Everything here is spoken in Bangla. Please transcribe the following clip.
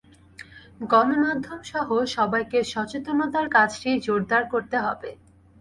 গণমাধ্যমসহ সবাইকে সচেতনতার কাজটি জোরদার করতে হবে।